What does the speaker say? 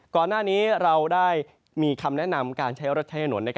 ก่อนหน้านี้เราได้มีคำแนะนำการใช้รถใช้ถนน